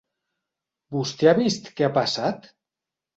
Vostè ha vist què ha passat?